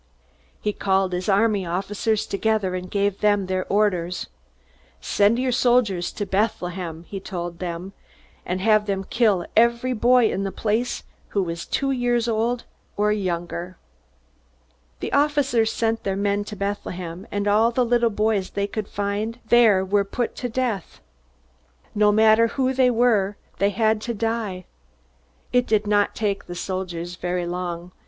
He called his army officers together, and gave them their orders. "Send your soldiers to Bethlehem," he told them, "and have them kill every boy in the place who is two years old or younger." The officers sent their men to Bethlehem, and all the little boys they could find there were put to death. No matter who they were they had to die. It did not take the soldiers very long.